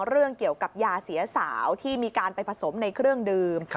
เรื่องเกี่ยวกับยาเสียสาวที่มีการไปผสมในเครื่องดื่ม